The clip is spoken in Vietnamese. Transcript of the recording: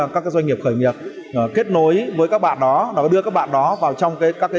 các doanh nghiệp khởi nghiệp kết nối với các bạn đó đưa các bạn đó vào trong các trường hợp